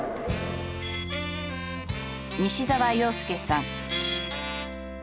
西澤陽介さん。